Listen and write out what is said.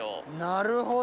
なるほど。